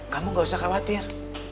kamu gak usah khawatir